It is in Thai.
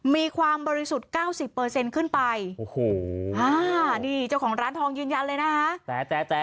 มีความบริสุทธิ์๙๐ขึ้นไปโอ้โหนี่เจ้าของร้านทองยืนยันเลยนะคะ